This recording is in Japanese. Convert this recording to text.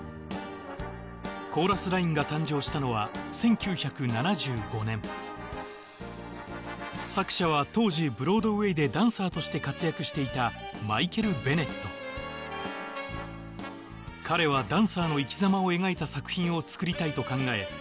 「コーラスライン」が誕生したのは１９７５年作者は当時ブロードウェイでダンサーとして活躍していたマイケル・ベネット彼はダンサーの生き様を描いた作品を作りたいと考え